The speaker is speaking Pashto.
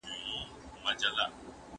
يو انسان په پښتو ژبي خپل فکر بيانوي.